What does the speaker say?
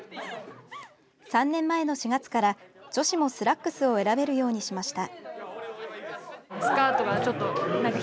３年前の４月から女子もスラックスを選べるようにしました。